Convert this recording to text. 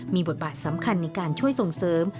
มีบทบาทสำคัญในการช่วยส่งเสริม